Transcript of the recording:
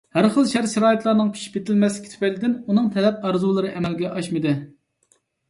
ھەر خىل شەرت-شارائىتلارنىڭ پىشىپ يېتىلمەسلىكى تۈپەيلىدىن ئۇنىڭ تەلەپ-ئارزۇلىرى ئەمەلگە ئاشمىدى.